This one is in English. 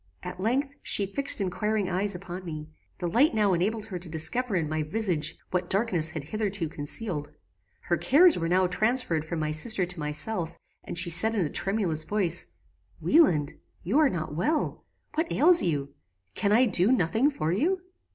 "At length, she fixed inquiring eyes upon me. The light now enabled her to discover in my visage what darkness had hitherto concealed. Her cares were now transferred from my sister to myself, and she said in a tremulous voice, "Wieland! you are not well: What ails you? Can I do nothing for you?"